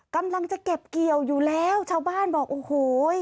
กำลังจะเก็บเกี่ยวอยู่แล้วชาวบ้านบอกโอ้โห